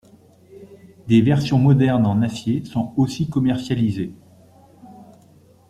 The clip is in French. Des versions modernes en acier sont aussi commercialisées.